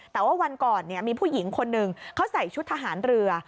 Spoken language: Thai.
แต่ว่าวันก่อนมีผู้หญิงคนหนึ่งเขาใส่ชุดทหารเรือ